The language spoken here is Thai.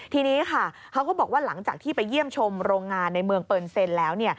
ทีนี้ค่ะเขาก็บอกว่าหลังจากที่ไปเยี่ยมชมโรงงานในเมืองเปอร์เซ็นแล้ว